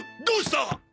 どどうした！